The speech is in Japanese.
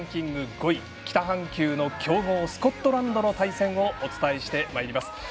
５位北半球の強豪スコットランドの対戦をお伝えしてまいります。